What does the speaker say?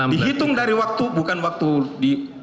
dihitung dari waktu bukan waktu di